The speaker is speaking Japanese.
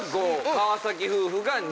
川崎夫婦が２。